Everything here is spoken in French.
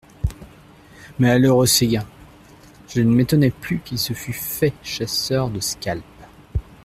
Malheureux Séguin ! Je ne m'étonnais plus qu'il se fût fait chasseur de scalps.